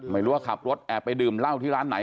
ไม่รู้ว่าขับรถแอบไปดื่มเหล้าที่ร้านไหน